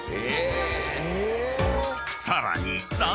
［さらに］何？